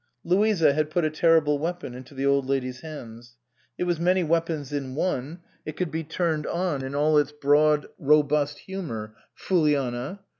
Louisa had put a terrible weapon into the Old Lady's hands. It was many weapons in one. It could be turned on in all its broad robust humour "Fooliana!"